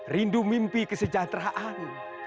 rindu mimpi kesejahteraan